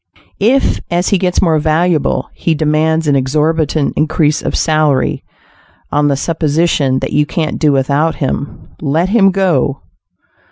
If, as he gets more valuable, he demands an exorbitant increase of salary; on the supposition that you can't do without him, let him go.